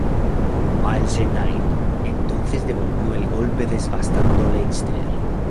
Máel Sechnaill entonces devolvió el golpe devastando Leinster.